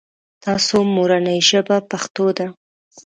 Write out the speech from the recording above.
تاسو مورنۍ ژبه پښتو ده ؟